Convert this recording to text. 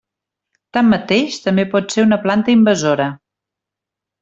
Tanmateix també pot ser una planta invasora.